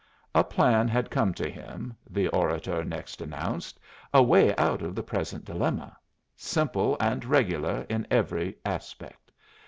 A plan had come to him, the orator next announced, a way out of the present dilemma, simple and regular in every aspect.